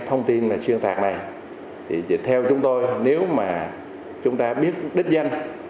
thông tin mà xuyên tạc này thì theo chúng tôi nếu mà chúng ta biết đích danh